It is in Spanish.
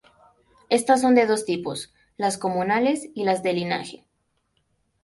Estas son de dos tipos, las comunales y las de linaje.